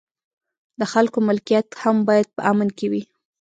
د خلکو ملکیت هم باید په امن کې وي.